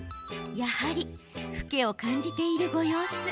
やはり老けを感じているご様子。